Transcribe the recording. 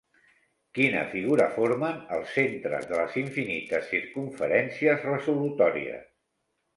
Quina figura formen els centres de les infinites circumferències resolutòries?